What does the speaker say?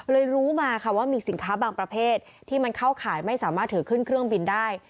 รู้มาค่ะว่ามีสินค้าบางประเภทที่มันเข้าข่ายไม่สามารถถือขึ้นเครื่องบินได้